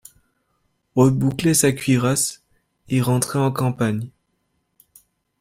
Rebouclait sa cuirasse, et rentrait en campagne ;